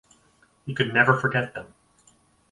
He could never forget them.